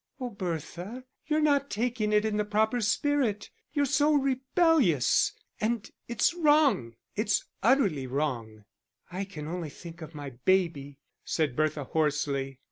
"Oh, Bertha, you're not taking it in the proper spirit you're so rebellious, and it's wrong, it's utterly wrong." "I can only think of my baby," said Bertha, hoarsely.